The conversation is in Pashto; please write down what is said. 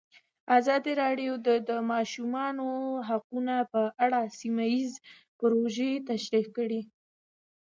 ازادي راډیو د د ماشومانو حقونه په اړه سیمه ییزې پروژې تشریح کړې.